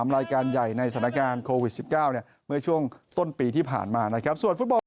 รายการใหญ่ในสถานการณ์โควิด๑๙เมื่อช่วงต้นปีที่ผ่านมานะครับส่วนฟุตบอล